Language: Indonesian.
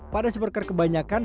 pada supercar kebanyakan